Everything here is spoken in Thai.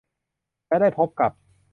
และได้พบกับ